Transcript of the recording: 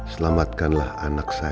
selamatkan lah anak saya riri